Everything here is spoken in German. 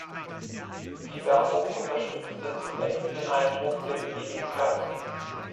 Die Werbung unterstützte zunächst den Eindruck der Beliebigkeit.